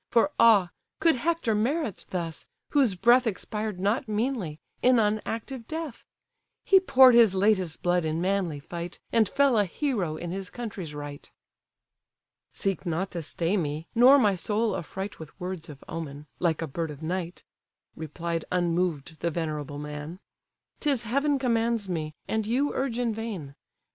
For ah! could Hector merit thus, whose breath Expired not meanly, in unactive death? He poured his latest blood in manly fight, And fell a hero in his country's right." "Seek not to stay me, nor my soul affright With words of omen, like a bird of night, (Replied unmoved the venerable man;) 'Tis heaven commands me, and you urge in vain.